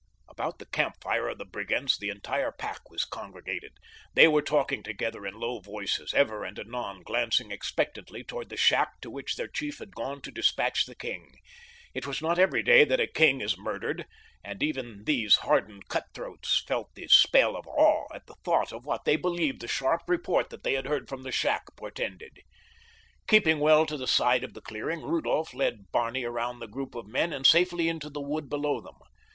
About the camp fire of the brigands the entire pack was congregated. They were talking together in low voices, ever and anon glancing expectantly toward the shack to which their chief had gone to dispatch the king. It is not every day that a king is murdered, and even these hardened cut throats felt the spell of awe at the thought of what they believed the sharp report they had heard from the shack portended. Keeping well to the far side of the clearing, Rudolph led Barney around the group of men and safely into the wood below them.